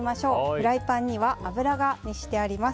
フライパンには油が熱してあります。